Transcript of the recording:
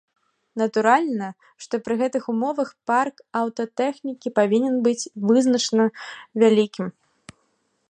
Натуральна, што пры гэтых умовах парк аўтатэхнікі павінен быць вызначана вялікім.